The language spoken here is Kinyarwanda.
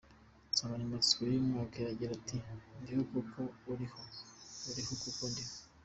Insanganyamatsiko y’uyu mwaka iragira iti ‘Ndiho kuko uriho, uriho kuko ndiho’.